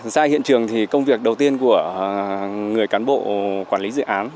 ra hiện trường thì công việc đầu tiên của người cán bộ quản lý dự án